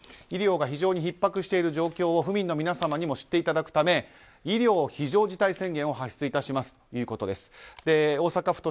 医療が非常にひっ迫している状況を府民の皆さんにも知っていただくため医療非常事態宣言を発出致しますいうことです。